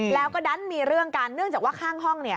แล้วก็ดันมีเรื่องกันเนื่องจากว่าข้างห้องเนี่ย